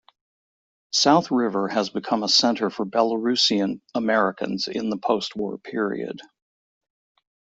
South River has become a center for Belarusian Americans in the postwar-period.